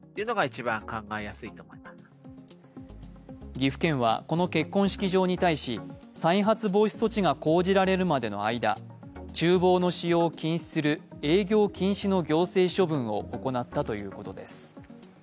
岐阜県はこの結婚式場に対し再発防止措置が講じられるまでの間ちゅう房の使用を禁止する営業禁止の行政処分を行ったということです。